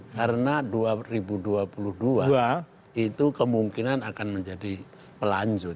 karena dua ribu dua puluh dua itu kemungkinan akan menjadi pelanjut